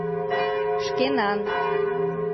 Шкенан...